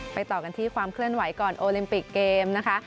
ต่อกันที่ความเคลื่อนไหวก่อนโอลิมปิกเกมนะคะ